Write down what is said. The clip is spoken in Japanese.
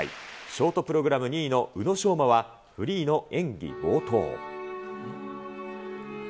ショートプログラム２位の宇野昌磨はフリーの演技冒頭。